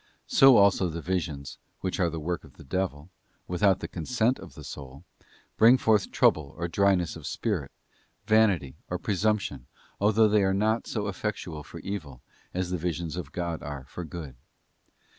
So also the visions, which are the work of the devil — without the con sent of the soul — bring forth trouble or dryness of spirit, vanity, or presumption, although they are not so effectual for evil, as the visions of God are for good.